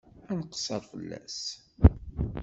Ad nqeṣṣer fell-as.